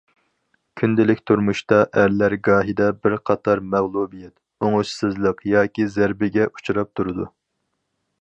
كۈندىلىك تۇرمۇشتا ئەرلەر گاھىدا بىر قاتار مەغلۇبىيەت، ئوڭۇشسىزلىق ياكى زەربىگە ئۇچراپ تۇرىدۇ.